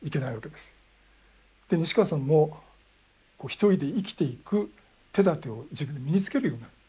西川さんも一人で生きていく手だてを自分で身につけるようになる。